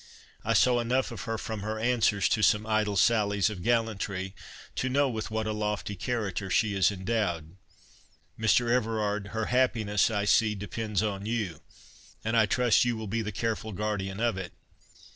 I saw enough of her from her answers to some idle sallies of gallantry, to know with what a lofty character she is endowed. Mr. Everard, her happiness I see depends on you, and I trust you will be the careful guardian of it.